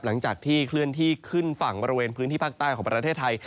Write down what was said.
หลังจากที่เคลื่อนที่ขึ้นฝั่งบริเวณพื้นที่ภาคใต้ของประเทศไทย